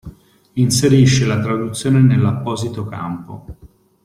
Inserisce la traduzione nell'apposito campo.